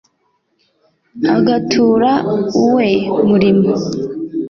agatura uwe murimo